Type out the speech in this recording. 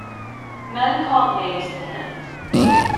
Men called names to him.